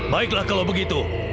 baiklah kalau begitu